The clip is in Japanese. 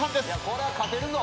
これは勝てるぞ。